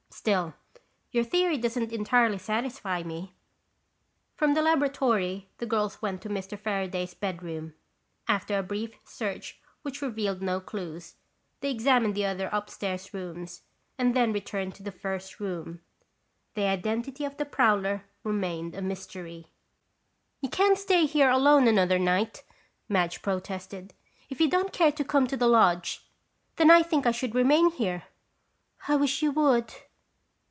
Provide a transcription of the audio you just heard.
Still, your theory doesn't entirely satisfy me." From the laboratory the girls went to Mr. Fairaday's bedroom. After a brief search which revealed no clues, they examined the other upstairs rooms and then returned to the first floor. The identity of the prowler remained a mystery. "You can't stay here alone another night," Madge protested. "If you don't care to come to the lodge, then I think I should remain here." "I wish you would!"